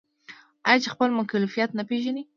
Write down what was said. آیا چې خپل مکلفیت نه پیژني؟